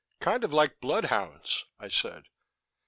"Kind of like bloodhounds," I said.